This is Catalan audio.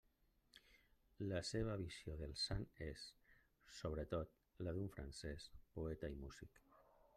La seva visió del sant és, sobretot, la d'un Francesc poeta i músic.